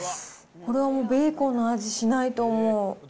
これはもう、ベーコンの味しないと思う。